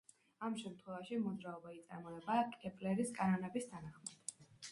ამ შემთხვევაში მოძრაობა იწარმოება კეპლერის კანონების თანახმად.